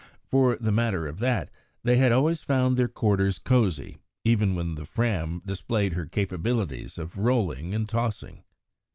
For the matter of that, they had always found their quarters cosy, even when the Fram displayed her capabilities of rolling and tossing.